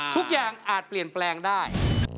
ทุกอย่างอาจเปลี่ยนแปลงได้